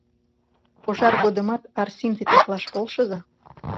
Пожар годымат Арсим титаклаш полшыза.